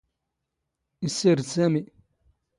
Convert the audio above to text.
ⵉⵙⵙⵉⵔⴷ ⵙⴰⵎⵉ.